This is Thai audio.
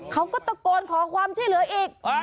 เขาก็ตะโกนขอความช่วยเหลืออีก